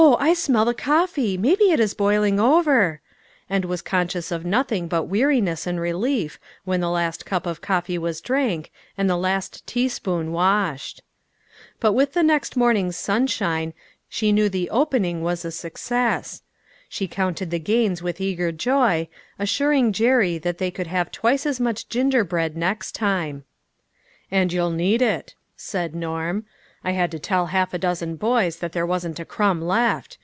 I smell the coffee ! maybe it is boiling over," and was conscious of nothing but weariness and relief 382 TOO GOOD TO BE TBUE. 383 when the last cup of coffee was drank, and the last teaspoon washed. But with the next morning's sunshine she knew the opening was a success. She counted the gains with eager joy, assuring Jerry that they could have twice as much gingerbread next time. " And you'll need it," said Norm. " I had to tell half a dozen boys that there wasn't a crumb left.